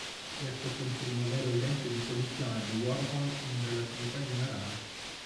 Questo fu il primo vero esempio di soluzione di wormhole in relatività generale.